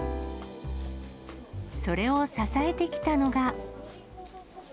それを支えてきたのが。